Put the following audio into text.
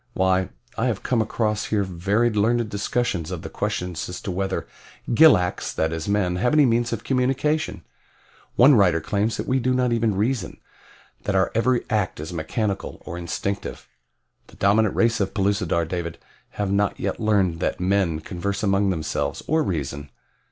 Why, I have come across here very learned discussions of the question as to whether gilaks, that is men, have any means of communication. One writer claims that we do not even reason that our every act is mechanical, or instinctive. The dominant race of Pellucidar, David, have not yet learned that men converse among themselves, or reason.